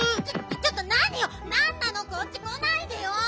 ちょっとなによなんなのこっちこないでよ！